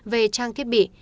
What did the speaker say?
về trang thiết bị